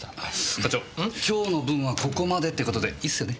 課長今日の分はここまでって事でいいっすよね？